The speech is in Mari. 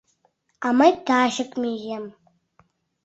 — А мый тачак мием...